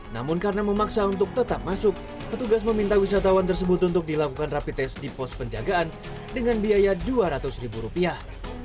namun karena memaksa untuk tetap masuk petugas meminta wisatawan tersebut untuk dilakukan rapi tes di pos penjagaan dengan biaya dua ratus ribu rupiah